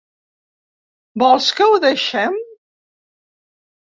Vols que ho deixe'm?